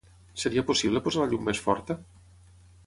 Seria possible posar la llum més forta?